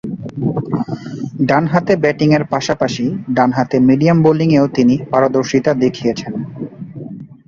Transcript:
ডানহাতে ব্যাটিংয়ের পাশাপাশি ডানহাতে মিডিয়াম বোলিংয়েও তিনি পারদর্শিতা দেখিয়েছেন।